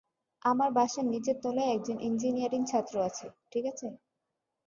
আমার বাসার নিচের তলায় একজন ইঞ্জিনিয়ারিং ছাত্র আছে - ঠিক আছে।